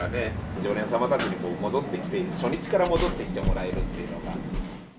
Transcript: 常連様たちに戻ってきて、初日から戻ってきてもらえるっていうのが。